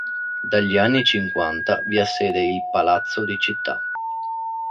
Dagli anni cinquanta vi ha sede il "Palazzo di Città".